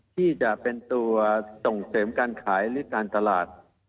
ที่จะเป็นตัวส่งเสริมการขายหรือการตลาด